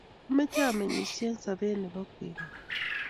ameche ameng'isie eng' sobet nebo kwekeny